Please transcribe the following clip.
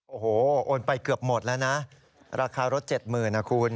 โอ้โหโอนไปเกือบหมดแล้วนะราคารถ๗๐๐นะคุณ